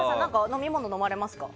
飲み物飲まれますか？